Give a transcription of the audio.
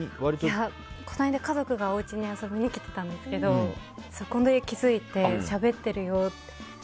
いや、この間、家族がおうちに遊びに来てたんですけどそこで気づいてしゃべっているよって。